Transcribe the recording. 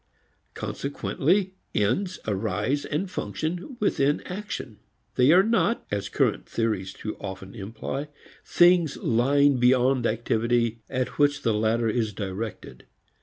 Consequently ends arise and function within action. They are not, as current theories too often imply, things lying beyond activity at which the latter is directed.